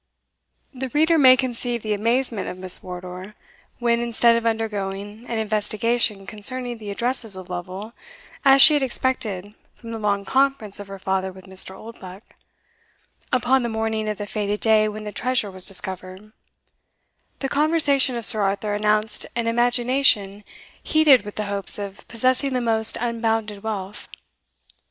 The reader may conceive the amazement of Miss Wardour, when, instead of undergoing an investigation concerning the addresses of Lovel, as she had expected from the long conference of her father with Mr. Oldbuck, upon the morning of the fated day when the treasure was discovered, the conversation of Sir Arthur announced an imagination heated with the hopes of possessing the most unbounded wealth.